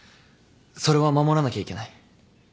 それは守らなきゃいけない。